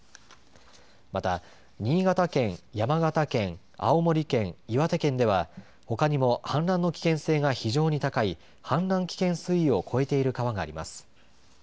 また新潟県、山形県青森県、岩手県ではほかにも氾濫の危険性が非常に高い氾濫危険水位を超えている川があります。